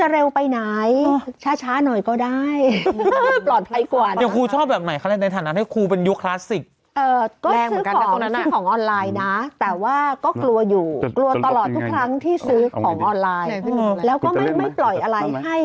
เราก็ไม่ปล่อยอะไร